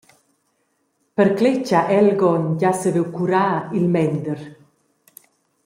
Per cletg ha Elgon gia saviu curar il mender.